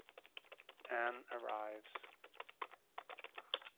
Anne arrives.